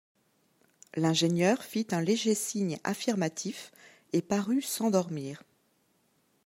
L’ingénieur fit un léger signe affirmatif, et parut s’endormir